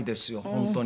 本当に。